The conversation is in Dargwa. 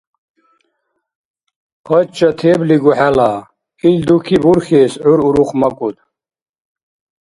Къача теблигу хӀела, ил дуки бурхьес гӀур урухмакӀуд.